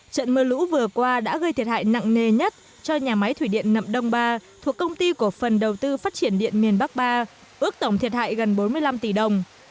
trận mưa lũ vừa qua đã gây thiệt hại nặng nề nhất cho nhà máy thủy điện nậm đông ba thuộc công ty cổ phần đầu tư phát triển điện miền bắc ba ước tổng thiệt hại gần bốn mươi năm tỷ đồng